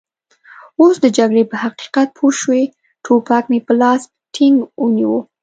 اوس د جګړې په حقیقت پوه شوي، ټوپک مې په لاس کې ټینګ ونیو.